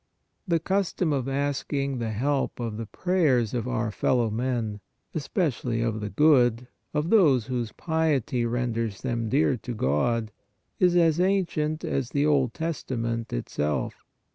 The custom of asking the help of the prayers of our fellow men, especially of the good, of those whose piety renders them dear to God, is as ancient as the Old Testament itself.